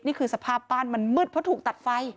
สภาพบ้านมันมืดเพราะถูกตัดไฟ